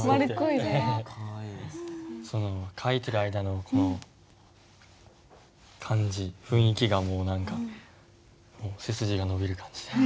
書いてる間のこの感じ雰囲気がもう何か背筋が伸びる感じで。